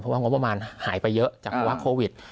เพราะว่างบำรุงหายไปเยอะจากเวลาโควิด